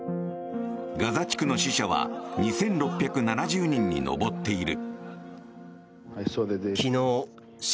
ガザ地区の死者は２６７０人に上っている。